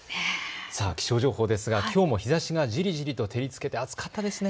気象情報ですが、きょうも日ざしがじりじりと照りつけて暑かったですね。